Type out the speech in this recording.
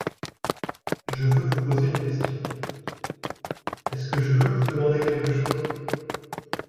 Je veux vous poser une question / Est-ce que je veux vous demander quelque chose ?